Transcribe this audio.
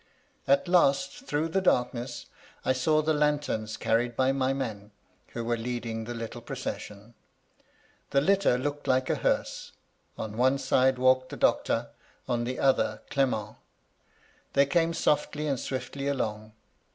At last, through the dark ness, I saw the lanterns carried by my men, who were leading the little procession. The litter looked like a hearse ; on one side walked the doctor, on the other Clement : they came softly and swiftly along.